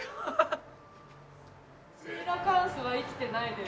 シーラカンスは生きてないです。